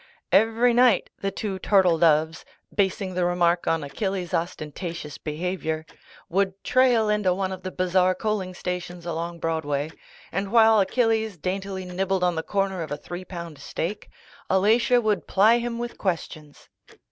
Every night the two turtle doves (basing the remark on Achilles' ostentatious be havior), would trail into one of the bizarre coaling stations along Broadway, and while Achilles daintily nibbled on the corner of a three pound steak, Alatia would ply him with questions.